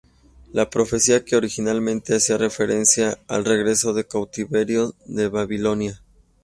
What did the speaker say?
La profecía que originalmente hacía referencia al regreso del cautiverio de Babilonia.